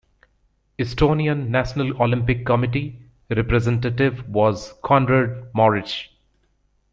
Estonian National Olympic Committee representative was Konrad Mauritz.